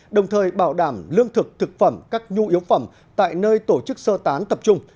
đồng thời bảo đảm lương thực thực phẩm các nhu yếu phẩm tại nơi tổ chức sơ tán tập trung